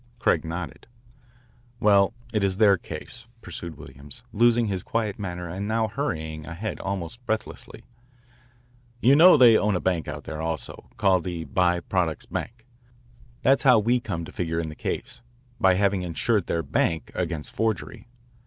Craig nodded. "Well, it is their case," pursued Williams, losing his quiet manner and now hurrying ahead almost breathlessly. "You know they own a bank out there also, called the By Products Bank. That's how we come to figure in the case, by having insured their bank against forgery.